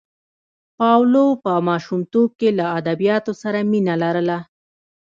پاولو په ماشومتوب کې له ادبیاتو سره مینه لرله.